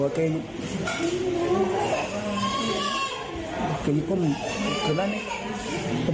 วันนี้ทีมข่าวไทยรัฐทีวีไปสอบถามเพิ่ม